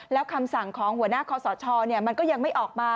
แล้วคำสั่งของหัวหน้าคอสชมันก็ยังไม่ออกมา